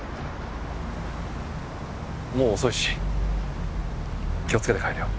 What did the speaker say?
もう遅いし気をつけて帰れよ。